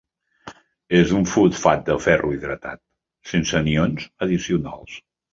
És un fosfat de ferro hidratat, sense anions addicionals.